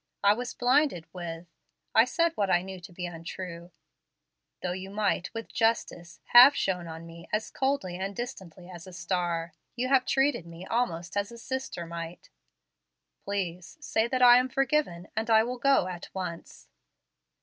I was blinded with I said what I knew to be untrue. Though you might with justice have shone on me as 'coldly and distantly as a star,' you have treated me almost as a sister might. Please say that I am forgiven, and I will go at once."